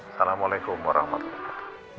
assalamualaikum warahmatullahi wabarakatuh